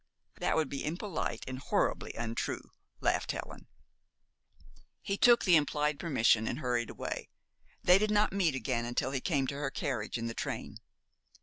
"That would be impolite, and horribly untrue," laughed Helen. He took the implied permission, and hurried away. They did not meet again until he came to her carriage in the train.